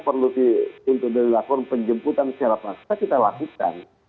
perlu diuntung dari laporan penjemputan secara prasa kita lakukan